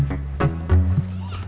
kamu mau pinjem uang